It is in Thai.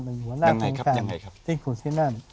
เป็นหัวหน้าทีมชาติที่ขุดที่นั่น